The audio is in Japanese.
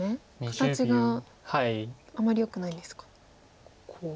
形があまりよくないんですか。